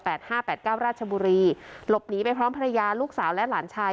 ห้าแปดเก้าราชบุรีหลบหนีไปพร้อมภรรยาลูกสาวและหลานชาย